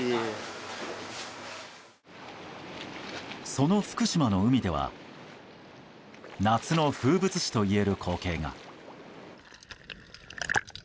その福島の海では夏の風物詩といえる光景が。